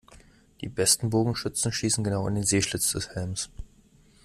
Die besten Bogenschützen schießen genau in den Sehschlitz des Helms.